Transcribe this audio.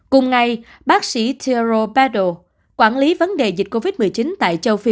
cùng ngày bác sĩ thierry perrault quản lý vấn đề dịch covid một mươi chín tại châu phi